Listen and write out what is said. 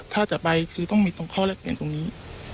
ถ้าจะไปคือต้องมีตรงข้อแรกเปลี่ยนตรงนี้